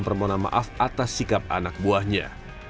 pandu menampakkan permohonan maaf atas sikap anak buahnya